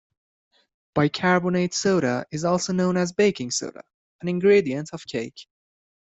Bicarbonate soda is also known as baking soda, an ingredient of cake.